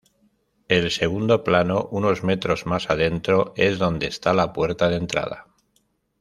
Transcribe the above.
El segundo plano, unos metros más adentro, es donde está la puerta de entrada.